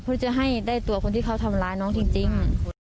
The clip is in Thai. เพื่อจะให้ได้ตัวคนที่เขาทำร้ายน้องจริง